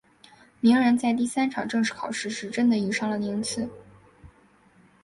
鸣人在第三场正式考试时真的遇上了宁次。